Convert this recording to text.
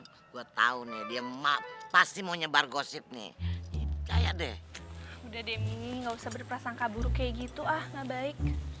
hai buat tahunnya dia emak pasti mau nyebar gosip nih kayak deh udah demi nggak usah berprasangka buruk kayak gitu ah nggak baik